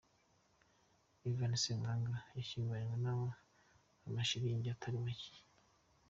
Ivan Ssemwanga yashyinguranywe amashiringi atari macye.